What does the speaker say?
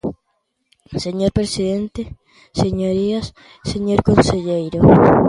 Señor presidente, señorías, señor conselleiro.